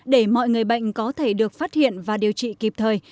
để mọi người bệnh có thể được phát hiện và điều trị kịp thời